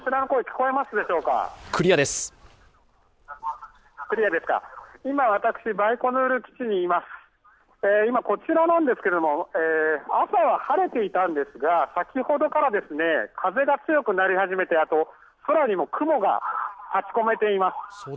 こちらですけれども、朝は晴れていたんですが、先ほどから風が強くなり始めて、あと空には雲が立ちこめています。